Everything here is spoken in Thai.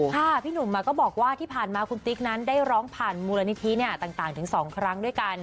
พี่หนุ่มก็บอกว่าที่ผ่านมาคุณติ๊กนั้นได้ร้องผ่านมูลนิธิต่างถึง๒ครั้งด้วยกัน